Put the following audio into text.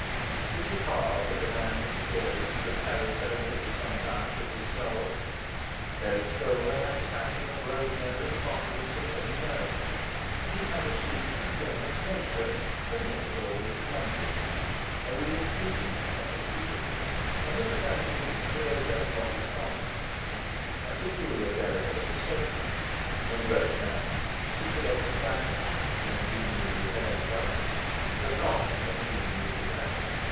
It is hard that a man's exterior should tally so little sometimes with his soul. Dirk Stroeve had the passion of Romeo in the body of Sir Toby Belch. He had a sweet and generous nature, and yet was always blundering; a real feeling for what was beautiful and the capacity to create only what was commonplace; a peculiar delicacy of sentiment and gross manners. He could exercise tact when dealing with the affairs of others, but none when dealing with his own.